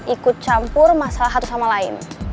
ikut campur masalah satu sama lain